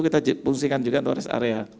kita fungsikan juga untuk rest area